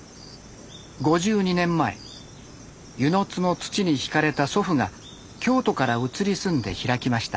５２年前温泉津の土に惹かれた祖父が京都から移り住んで開きました。